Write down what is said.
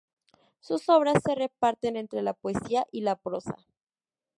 Sus obras se reparten entre la poesía y la prosa.